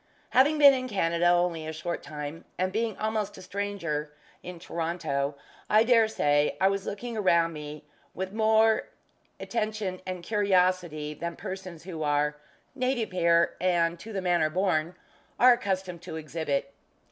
Having been in Canada only a short time, and being almost a stranger in Toronto, I dare say I was looking around me with more attention and curiosity than persons who are "native here, and to the manner born," are accustomed to exhibit.